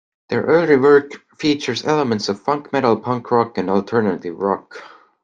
Their early work features elements of funk metal, punk rock and alternative rock.